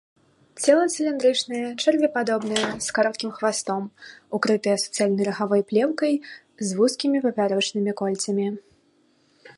Цела цыліндрычнае, чэрвепадобнае, з кароткім хвастом, укрытае суцэльнай рагавой плеўкай э вузкімі папярочнымі кольцамі.